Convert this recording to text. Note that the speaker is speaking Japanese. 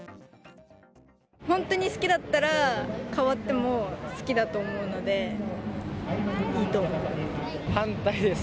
本当に好きだったら、変わっても好きだと思うので、反対です。